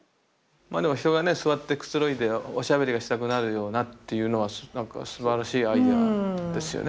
まあでも人がね座ってくつろいでおしゃべりがしたくなるようなっていうのはなんかすばらしいアイデアですよね。